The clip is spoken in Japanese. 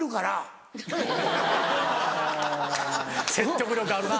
説得力あるな。